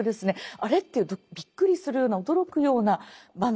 あれっていうびっくりするような驚くような場面。